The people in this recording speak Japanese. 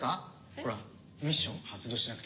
ほら、ミッション発動しなくて。